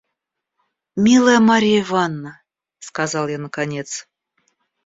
«Милая Марья Ивановна! – сказал я наконец.